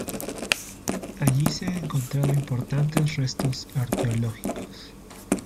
Allí se han encontrado importantes restos arqueológicos.